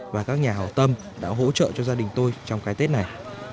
và các nhà hào tâm đã hỗ trợ cho gia đình tôi trong cái tết này